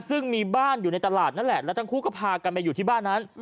ซึ่งมีบ้านอยู่ในตลาดนั่นแหละแล้วทั้งคู่ก็พากันไปอยู่ที่บ้านนั้น